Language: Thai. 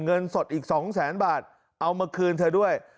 เงินสดอีก๒แสนบาทเอามาคืนเธอด้วย